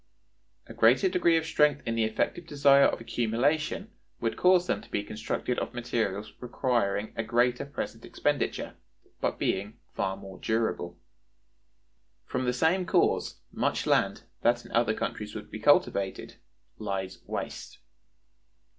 A greater degree of strength in the effective desire of accumulation would cause them to be constructed of materials requiring a greater present expenditure, but being far more durable. From the same cause, much land, that in other countries would be cultivated, lies waste.